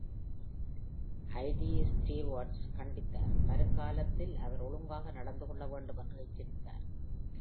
Ideஐ stewards கண்டித்தார், வருங்காலத்தில் அவர் ஒழுங்காக நடந்துகொள்ளவேண்டும் என்று எச்சரித்தார்.